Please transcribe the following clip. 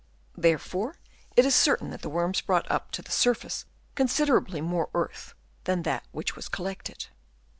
Therefore it is certain that the worms brought up to the surface considerably more earth than that which was collected.